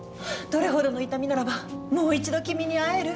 どれほどの痛みならばもう一度君に会える？